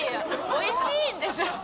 美味しいんでしょ？